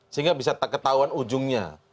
sehingga bisa ketahuan ujungnya